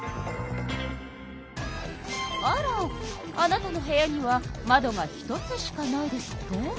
あらあなたの部屋には窓が１つしかないですって？